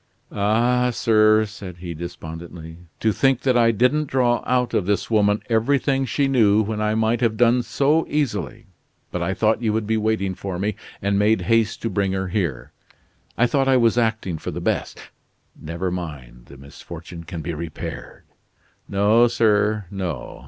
"Ah, sir," said he, despondently, "to think that I didn't draw out of this woman everything she knew, when I might have done so easily. But I thought you would be waiting for me, and made haste to bring her here. I thought I was acting for the best " "Never mind, the misfortune can be repaired." "No, sir, no.